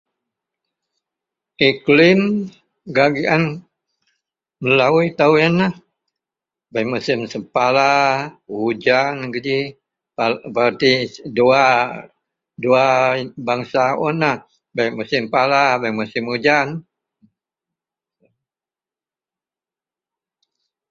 iklim gak gian melou itou ienlah bei musim sien pala, ujan geji, ba bererti dua, dua bangsa unlah bei musim pala, bei musim ujan